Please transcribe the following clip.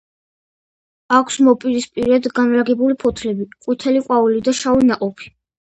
აქვს მოპირისპირედ განლაგებული ფოთლები, ყვითელი ყვავილი და შავი ნაყოფი.